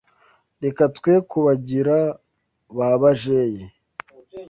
reka twe kubagira ba bajeyi